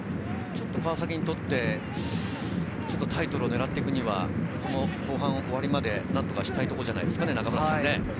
川崎にとって、ちょっとタイトルを狙っていくには、後半終わるまで何とかしたいところじゃないですかね。